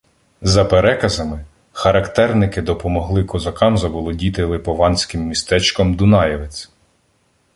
За переказами, характерники допомогли козакам заволодіти липованським містечком Дунаєвець